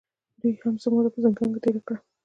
دوې هم څۀ موده پۀ زندان کښې تېره کړه